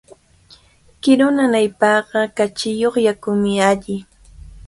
Kiru nanaypaqqa kachiyuq yakumi alli.